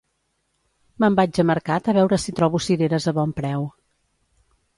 Me'n vaig a mercat a veure si trobo cireres a bon preu